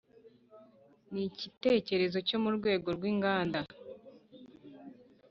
Ni icyitegererezo cyo mu rwego rw’inganda